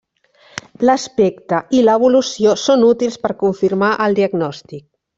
L'aspecte i l'evolució són útils per confirmar el diagnòstic.